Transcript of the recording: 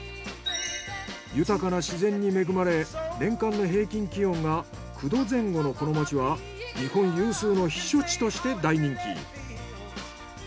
豊かな自然に恵まれ年間の平均気温が９度前後のこの町は日本有数の避暑地として大人気。